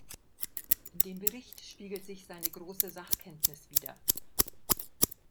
In dem Bericht spiegelt sich seine große Sachkenntnis wieder.